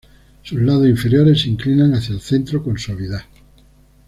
Sus lados interiores se inclinan hacia el centro con suavidad.